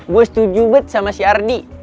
gue setuju banget sama si ardi